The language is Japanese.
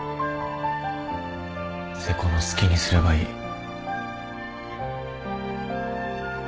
瀬古の好きにすればいい。